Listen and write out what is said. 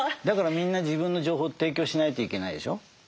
だからみんな自分の情報を提供しないといけないでしょ。